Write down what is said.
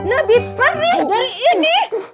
lebih perih dari ini